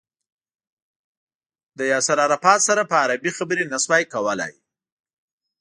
له ياسر عرفات سره په عربي خبرې نه شوای کولای.